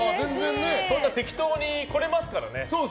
適当に来れますからね。